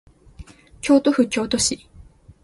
京都府京都市